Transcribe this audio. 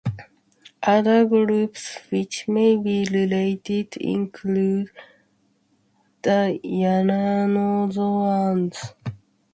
Other groups which may be related include the yunnanozoans.